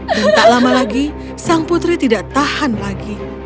dan tak lama lagi sang putri tidak tahan lagi